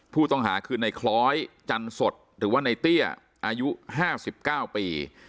ผู้ต้องหาคือในคล้อยจันสดหรือว่าในเตี้ยอายุ๕๙ปี